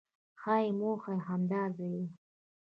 ښایي موخه یې همدا ځای وي.